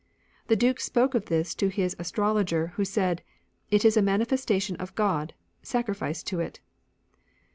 The Duke spoke of this to his astro loger, who said, "It is a manifestation of God ; sacrifice to it."